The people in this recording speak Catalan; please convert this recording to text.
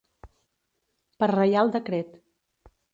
Per reial decret.